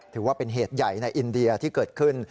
ถือว่าเป็นเหตุใหญ่ในอินเดียที่เกิดขึ้น